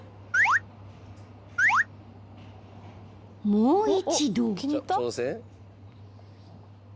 ［もう一度］